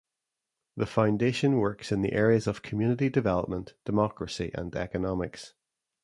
The Foundation works in the areas of community development, democracy, and economics.